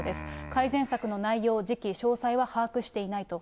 改善策の内容、時期、詳細は把握していないと。